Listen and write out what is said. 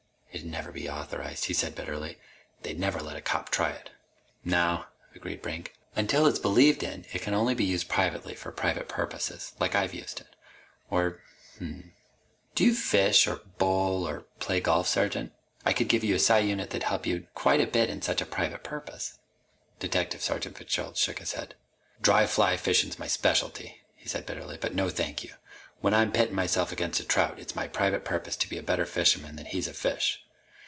"It'd never be authorized," he said bitterly. "They'd never let a cop try it." "No," agreed Brink. "Until it's believed in it can only be used privately, for private purposes. Like I've used it. Or Hm m m. Do you fish, or bowl, or play golf, sergeant? I could give you a psi unit that'd help you quite a bit in such a private purpose." Detective Sergeant Fitzgerald shook his head. "Dry fly fishin's my specialty," he said bitterly, "but no thank you! When I'm pittin' myself against a trout, it's my private purpose to be a better fisherman than he's a fish.